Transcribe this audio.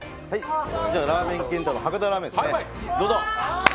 ラーメン健太の博多ラーメンですね、どうぞ。